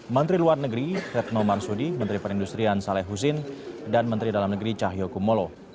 menteri luar negeri retno marsudi menteri perindustrian saleh husin dan menteri dalam negeri cahyokumolo